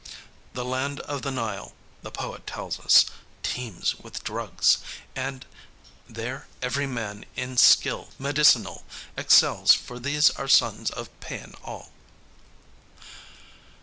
The land of the Nile, the poet tells us, "teems with drugs," and "There ev'ry man in skill medicinal Excels, for these are sons of Pæon all."